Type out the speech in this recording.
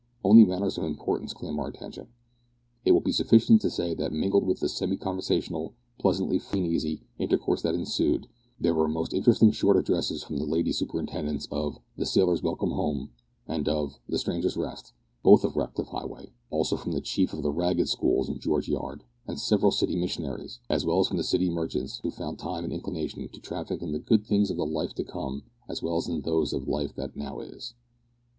Other matters of importance claim our attention. It will be sufficient to say that mingled with the semi conversational, pleasantly free and easy, intercourse that ensued, there were most interesting short addresses from the lady superintendents of "The Sailors' Welcome Home" and of the "Strangers' Rest," both of Ratcliff Highway, also from the chief of the Ragged schools in George Yard, and several city missionaries, as well as from city merchants who found time and inclination to traffic in the good things of the life to come as well as in those of the life that now is.